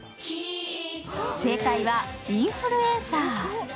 正解は「インフルエンサー」。